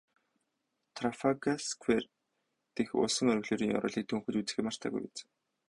Трафальгарсквер дэх усан оргилуурын ёроолыг төнхөж үзэхээ мартаагүй биз?